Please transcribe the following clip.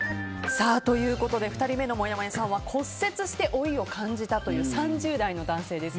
２人目のもやもやさんは骨折して老いを感じたという３０代の男性です。